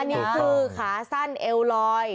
อันนี้คือขาสั้นเอวรอย